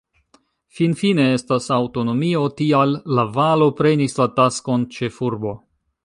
Finfine estas aŭtonomio, tial La-Valo prenis la taskon ĉefurbo.